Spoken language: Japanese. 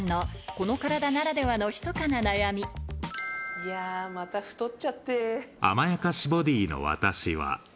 いやまた太っちゃって。